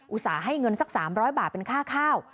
อุตส่าห์ให้เงินสัก๓๐๐บาทเป็นค่าข้าว